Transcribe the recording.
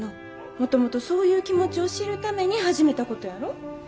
もともとそういう気持ちを知るために始めたことやろ。